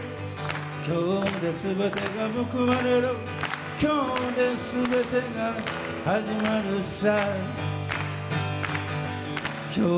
「今日ですべてがむくわれる今日ですべてが始まるさ」